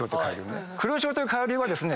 黒潮という海流はですね